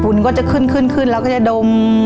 ฝุ่นก็จะขึ้นแล้วก็จะดม